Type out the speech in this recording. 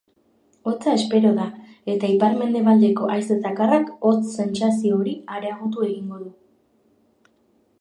Hotza espero da, eta ipar-mendebaldeko haize zakarrak hotz-sentzazio hori areagotu egingo du.